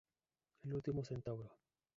El último centauro.